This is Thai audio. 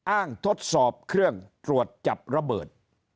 ทดสอบเครื่องตรวจจับระเบิด